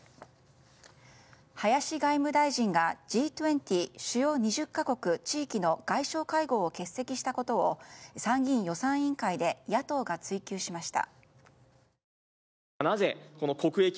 林外務大臣が、Ｇ２０主要２０か国・地域の外相会合を欠席したことを参議院予算委員会で野党が追及しました。